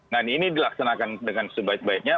nah ini dilaksanakan dengan sebaik baiknya